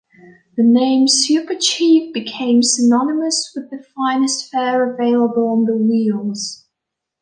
The name "Super Chief" became synonymous with the finest fare available on wheels.